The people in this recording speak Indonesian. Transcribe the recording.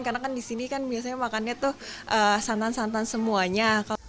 karena kan disini kan biasanya makannya tuh santan santan semuanya